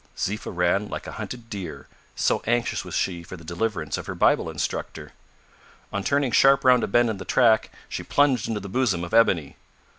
Ziffa ran like a hunted deer, so anxious was she for the deliverance of her Bible instructor. On turning sharp round a bend in the track, she plunged into the bosom of Ebony.